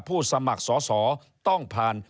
ผู้สมัครสอสอต้องผ่าน